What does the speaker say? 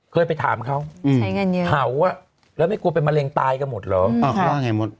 เคยไปถามเขาเผาแล้วไม่กลัวเป็นมะเร็งตายก็หมดเหรอ